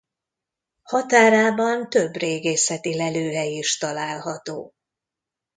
Határában több régészeti lelőhely is található.